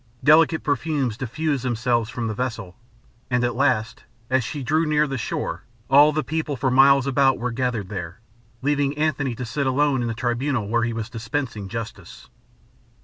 Delicate perfumes diffused themselves from the vessel; and at last, as she drew near the shore, all the people for miles about were gathered there, leaving Antony to sit alone in the tribunal where he was dispensing justice.